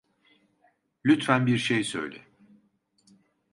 Lütfen bir şey söyle.